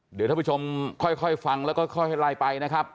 เดี๋ยวท่านผู้ชมค่อยฟังแล้วก็ค่อยไลน์ไปนะครับ